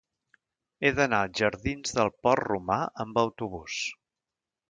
He d'anar als jardins del Port Romà amb autobús.